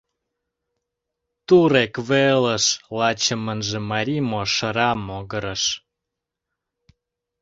Турек велыш, лачымынже — Марий Мошара могырыш.